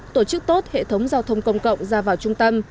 tổ chức tốt hệ thống giao thông công cộng ra vào trung tâm